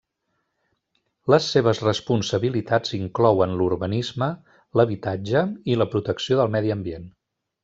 Les seves responsabilitats inclouen l'urbanisme, l'habitatge i la protecció del medi ambient.